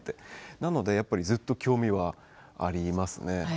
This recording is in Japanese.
だから、やっぱりずっと興味はありますね。